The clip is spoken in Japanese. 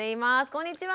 こんにちは。